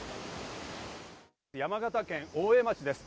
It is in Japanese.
山形県大江町です。